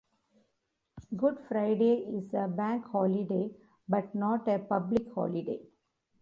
Good Friday is a Bank Holiday, but not a Public Holiday.